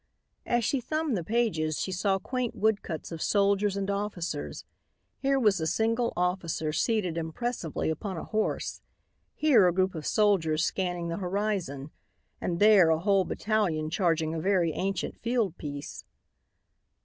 As she thumbed the pages she saw quaint woodcuts of soldiers and officers. Here was a single officer seated impressively upon a horse; here a group of soldiers scanning the horizon; and there a whole battalion charging a very ancient fieldpiece.